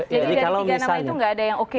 jadi dari tiga nama itu tidak ada yang oke ya